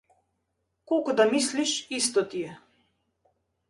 Колку да мислиш исто ти е.